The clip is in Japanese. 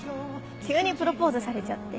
急にプロポーズされちゃって。